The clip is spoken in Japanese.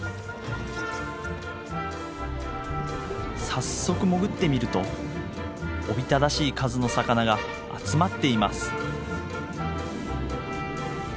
早速潜ってみるとおびただしい数の魚が集まっています。